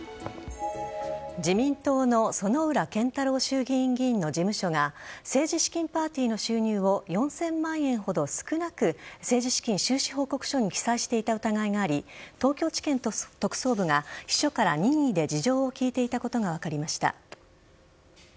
自民党の薗浦健太郎衆議院議員の事務所が政治資金パーティーの収入を４０００万円ほど少なく政治資金収支報告書に記載していた疑いがあり東京地検特捜部が秘書から任意で事情を聴いていたことが分かりました。